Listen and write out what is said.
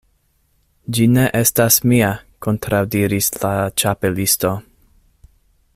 "Ĝi ne estas mia," kontraŭdiris la Ĉapelisto.